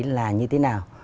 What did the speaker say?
là như thế nào